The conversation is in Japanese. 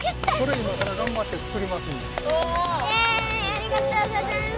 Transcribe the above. ありがとうございます。